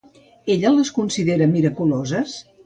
Ella les considera miraculoses?